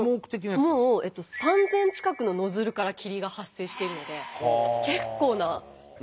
３，０００近くのノズルから霧が発生しているので結構な。